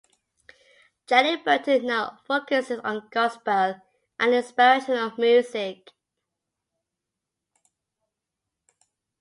Jenny Burton now focuses on gospel and inspirational music.